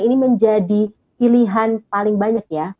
ini menjadi pilihan paling banyak ya